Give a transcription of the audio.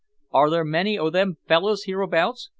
"Are there many o' them fellows hereabouts?"